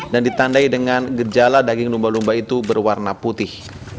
dan ditandai dengan gejala daging lumba lumba itu berwarna putih